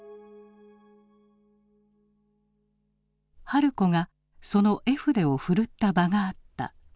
春子がその絵筆をふるった場があった。